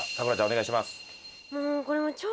お願いします。